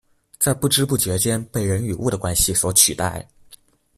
在不知不覺間被人與物的關係所取代